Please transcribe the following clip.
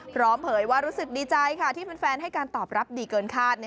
เผยว่ารู้สึกดีใจค่ะที่แฟนให้การตอบรับดีเกินคาด